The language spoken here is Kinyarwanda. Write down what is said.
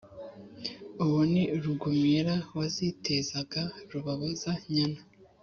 uwo ni rugumira wazitezaga rubabaza-nyana